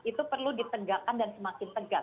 itu perlu ditegakkan dan semakin tegas